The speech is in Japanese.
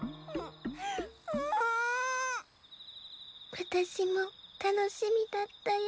わたしもたのしみだったよ。